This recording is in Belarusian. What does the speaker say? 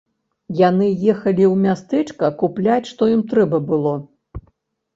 Яны ехалі ў мястэчка купляць што ім трэба было.